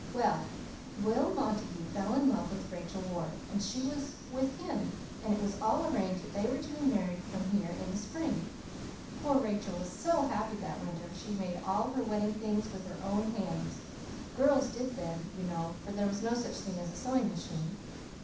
Well, Will Montague fell in love with Rachel Ward, and she with him, and it was all arranged that they were to be married from here in the spring. Poor Rachel was so happy that winter; she made all her wedding things with her own hands. Girls did, then, you know, for there was no such thing as a sewing machine.